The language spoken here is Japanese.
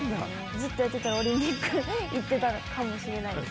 ずっとやってたら、オリンピック行ってたかもしれないです。